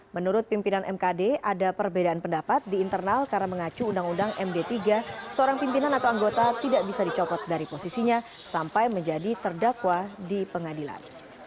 menurut pimpinan mkd ada perbedaan pendapat di internal karena mengacu undang undang md tiga seorang pimpinan atau anggota tidak bisa dicopot dari posisinya sampai menjadi terdakwa di pengadilan